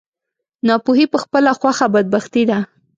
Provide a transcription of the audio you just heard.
ناپوهي په خپله خوښه بدبختي ده.